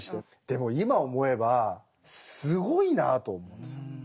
でも今思えばすごいなと思うんですよ。